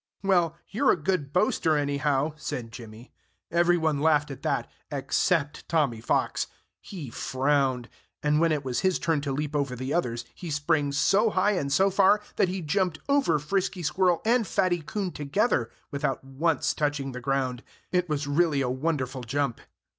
"Well, you're a good boaster, anyhow," said Jimmy. Everybody laughed at that except Tommy Fox. He frowned. And when it was his turn to leap over the others he sprang so high and so far that he jumped over Frisky Squirrel and Fatty Coon together, without once touching the ground. It was really a wonderful jump.